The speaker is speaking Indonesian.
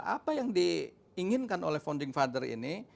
apa yang diinginkan oleh founding father ini